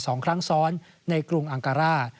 สองครั้งซ้อนในกรุงอังการ่า